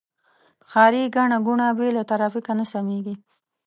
ښاري ګڼه ګوڼه بې له ترافیکه نه سمېږي.